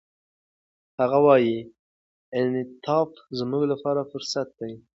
هغه وايي، انعطاف زموږ لپاره فرصت دی.